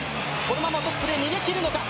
このままトップで逃げ切るのか？